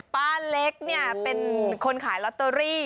ป้าเล็กเนี่ยเป็นคนขายลอตเตอรี่